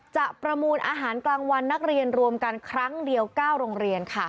ประมูลอาหารกลางวันนักเรียนรวมกันครั้งเดียว๙โรงเรียนค่ะ